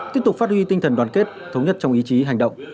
tiếp tục phát huy tinh thần đoàn kết thống nhất trong ý chí hành động